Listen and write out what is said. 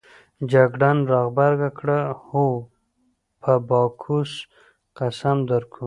جګړن راغبرګه کړه: هو په باکوس قسم درکوو.